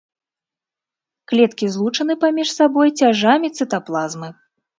Клеткі злучаны паміж сабой цяжамі цытаплазмы.